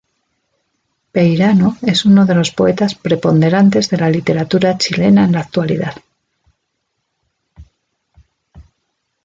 Peirano es uno de los poetas preponderantes de la literatura chilena en la actualidad.